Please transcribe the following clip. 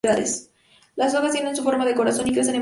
Las hojas tienen forma de corazón y crecen en pares.